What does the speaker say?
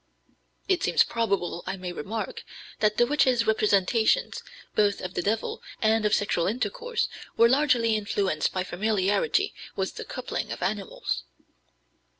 (It seems probable, I may remark, that the witches' representations, both of the devil and of sexual intercourse, were largely influenced by familiarity with the coupling of animals).